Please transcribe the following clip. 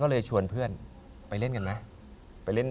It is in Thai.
ก็เลยชวนเพื่อนไปเล่นกันไหม